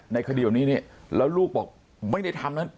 ในคดีแบบนี้นี่แล้วลูกบอกไม่ได้ทำนะ